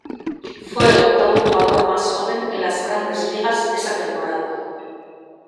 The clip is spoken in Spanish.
Fue el octavo jugador más joven en las "Grandes Ligas" esa temporada.